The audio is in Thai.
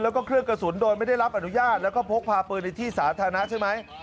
แล้วก็เครื่องกระสุนโดยไม่ได้รับอนุญาตแล้วก็พกพาปืนในที่สาธารณะใช่ไหม